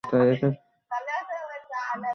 তোর কোন ধারণাই নেই এখানে কি নিয়ে কথা চলছে।